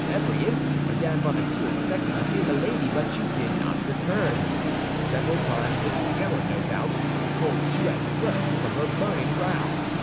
Every instant Mme. Bonacieux expected to see Milady, but she did not return. Several times, with terror, no doubt, the cold sweat burst from her burning brow.